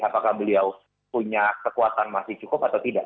apakah beliau punya kekuatan masih cukup atau tidak